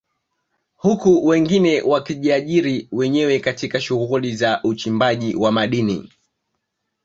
Huku wengine wakijiajiri wenyewe katika shughuli za uchimbaji wa madini